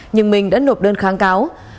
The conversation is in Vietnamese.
nhưng mình đã nộp đơn kháng cáo